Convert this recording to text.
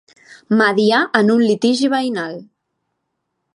Mediar en un litigi veïnal.